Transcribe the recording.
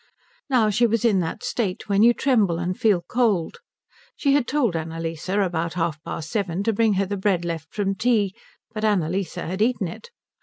Now she was in that state when you tremble and feel cold. She had told Annalise, about half past seven, to bring her the bread left from tea, but Annalise had eaten it.